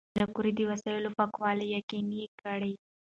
پېیر کوري د وسایلو پاکوالی یقیني کړ.